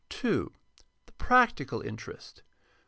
2. The practical interest.